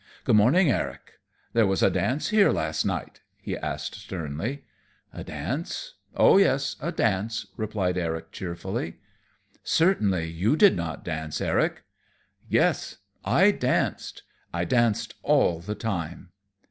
"Good morning, Eric. There was a dance here last night?" he asked, sternly. "A dance? Oh, yes, a dance," replied Eric, cheerfully. "Certainly you did not dance, Eric?" "Yes, I danced. I danced all the time."